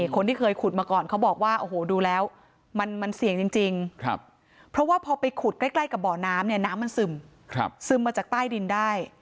คนที่เคยขุดมาก่อนเขาบอกว่าโอ้โหดูแล้วมันเสี่ยงจริงเพราะว่าพอไปขุดใกล้กับบ่อน้ำเนี่ยน้ำมันซึมซึมมาจากใต้ดินได้